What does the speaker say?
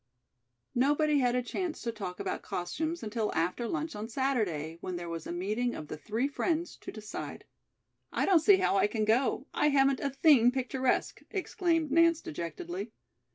Nobody had a chance to talk about costumes until after lunch on Saturday, when there was a meeting of the three friends to decide. "I don't see how I can go. I haven't a thing picturesque," exclaimed Nance dejectedly.